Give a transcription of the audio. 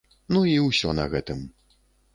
Ну, і ўсё на гэтым!